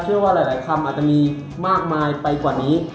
เชื่อว่าหลายคำจะมีมากมายไปกว่านี้